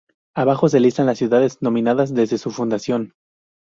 Abajo se listan las ciudades nominadas desde su fundación.